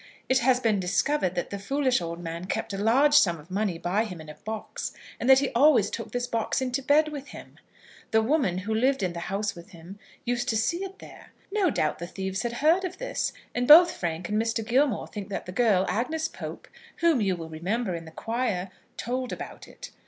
It has been discovered that the foolish old man kept a large sum of money by him in a box, and that he always took this box into bed with him. The woman, who lived in the house with him, used to see it there. No doubt the thieves had heard of this, and both Frank and Mr. Gilmore think that the girl, Agnes Pope, whom you will remember in the choir, told about it.